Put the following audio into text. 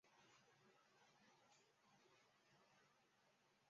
斯谢伯纳尔。